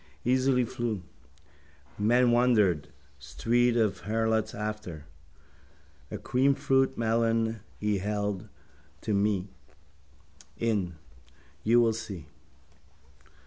Easily flew. Men wondered. Street of harlots after. A creamfruit melon he held to me. In. You will see.